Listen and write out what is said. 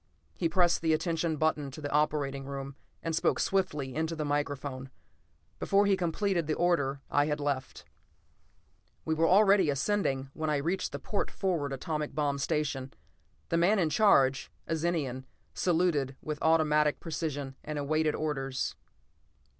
He pressed the attention button to the operating room and spoke swiftly into the microphone; before he completed the order I had left. We were already ascending when I reached the port forward atomic bomb station. The man in charge, a Zenian, saluted with automatic precision and awaited orders.